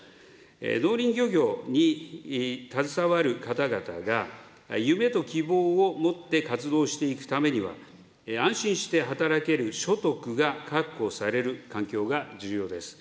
農林漁業に携わる方々が、夢と希望を持って活動していくためには、安心して働ける所得が確保される環境が重要です。